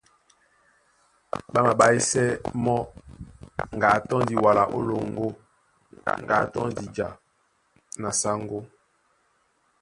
Ɓá maɓáísɛ́ mɔ́ ŋga a tɔ́ndi wala ó loŋgó ŋga a tɔ́ndi ja na sáŋgó.